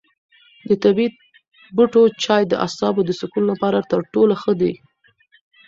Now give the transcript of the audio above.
د طبیعي بوټو چای د اعصابو د سکون لپاره تر ټولو ښه دی.